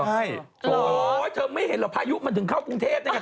โหเธอไม่เห็นหรอพายุมาถึงเข้ากรุงเทพร์นะครับ